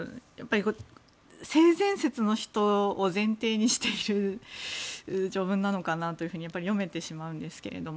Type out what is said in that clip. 性善説の人を前提にしている条文なのかなと読めてしまうんですけれども。